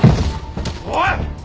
おい！